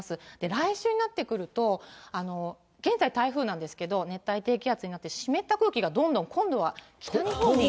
来週になってくると、現在、台風なんですけど、熱帯低気圧によって湿った空気がどんどん、今度は北日本に。